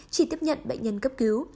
chỉ tiếp nhận bệnh nhân cấp cứu